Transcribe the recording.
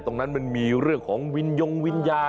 ตรงนั้นมันมีเรื่องของวินยงวิญญาณ